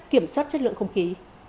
kiểm soát chất lượng không khí